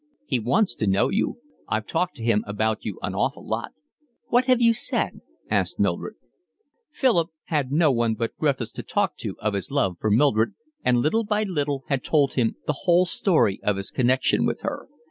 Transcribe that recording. "He wants to know you. I've talked to him about you an awful lot." "What have you said?" asked Mildred. Philip had no one but Griffiths to talk to of his love for Mildred, and little by little had told him the whole story of his connection with her.